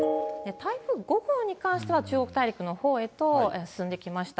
台風５号に関しては、中国大陸のほうへと進んできました。